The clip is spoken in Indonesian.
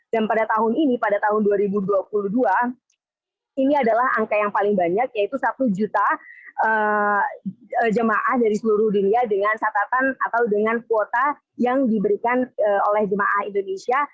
dan pada tahun ini pada tahun dua ribu dua puluh dua ini adalah angka yang paling banyak yaitu satu juta jemaah dari seluruh dunia dengan catatan atau dengan kuota yang diberikan oleh jemaah indonesia